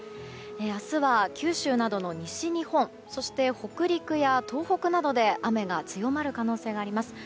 明日は九州などの西日本そして北陸や東北などで雨が強まる可能性があります。